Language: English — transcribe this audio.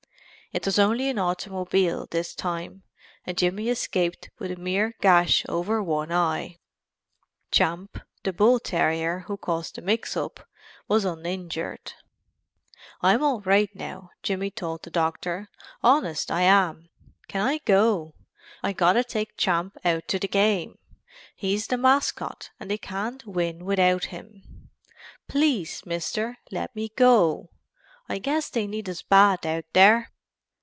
It was only an automobile this time and Jimmy escaped with a mere gash over one eye. Champ, the bull terrier who caused the mixup, was uninjured. "I'm all right now," Jimmy told the doctor, "honest I am can I go I gotta take Champ out to the game he's the mascot and they can't win without him please, Mister, let me go I guess they need us bad out there."